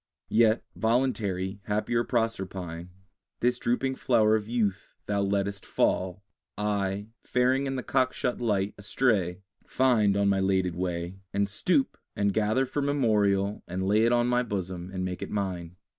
Yet, voluntary, happier Proserpine, This drooping flower of youth thou lettest fall I, faring in the cockshut light, astray, Find on my 'lated way, And stoop, and gather for memorial, And lay it on my bosom, and make it mine.